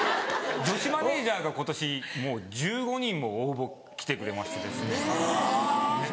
女子マネジャーが今年もう１５人も応募来てくれましてですね。